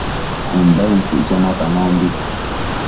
Umbentsëcquio natanombi